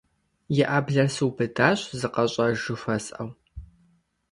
И Ӏэблэр сыубыдащ, зыкъэщӀэж жыхуэсӀэу.